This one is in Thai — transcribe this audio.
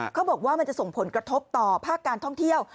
เขาบอกว่ามันจะส่งผลกระทบต่อภาคการท่องเที่ยว